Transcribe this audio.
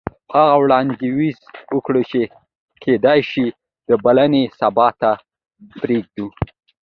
هغې وړاندیز وکړ چې کیدای شي دا بلنه سبا ته پریږدو